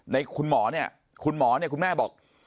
ในคุณหมอเนี่ยคุณหมอเนี่ยคุณแม่บอก